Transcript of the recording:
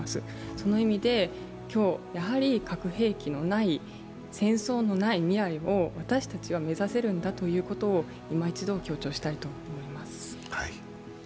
その意味で、今日やはり核兵器のない、戦争のない未来を私たちは目指せるんだということをいま一度強調したいと思います。